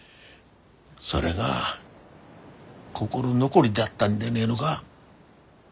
それが心残りだったんでねえのが？